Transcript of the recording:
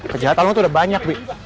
kejahatan lo tuh udah banyak bi